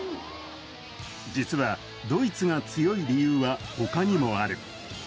実は、ドイツが強い理由は他にもある。